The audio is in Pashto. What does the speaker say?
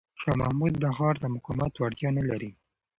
شاه محمود د ښار د مقاومت وړتیا نه لري.